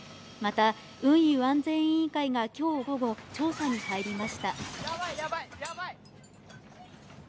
また運輸安全委員会が今日午後、調査に入りました。